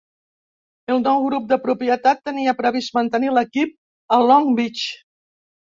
El nou grup de propietat tenia previst mantenir l'equip a Long Beach.